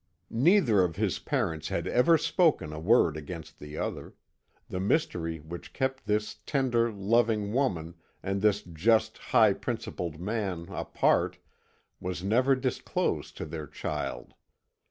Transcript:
Neither of his parents had ever spoken a word against the other; the mystery which kept this tender, loving woman, and this just, high principled man, apart, was never disclosed to their child.